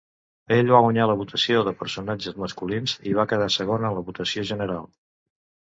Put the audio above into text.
Ell va guanyar la votació de personatges masculins i va quedar segon en la votació general.